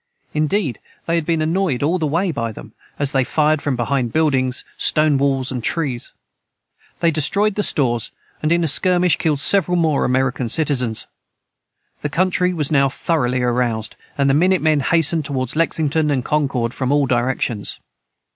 Indeed, they had been annoyed all the way by them, as they fired from behind buildings, stone walls, and trees. They destroyed the stores, and in a skirmish killed several more American citizens. The country was now thoroughly aroused, and the minute men hastened toward Lexington and Concord from all directions.